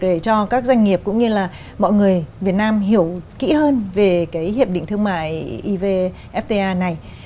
để cho các doanh nghiệp cũng như là mọi người việt nam hiểu kỹ hơn về cái hiệp định thương mại evfta này